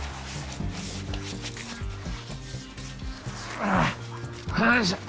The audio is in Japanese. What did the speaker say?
ああよいしょ。